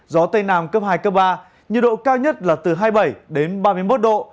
gió tây nam cấp hai cấp ba nhiệt độ cao nhất là từ hai mươi bảy đến ba mươi một độ